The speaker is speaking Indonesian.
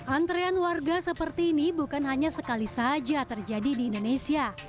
antrean warga seperti ini bukan hanya sekali saja terjadi di indonesia